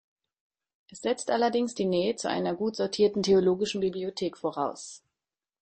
Es setzt allerdings die Nähe zu einer gut sortierten theologischen Bibliothek voraus.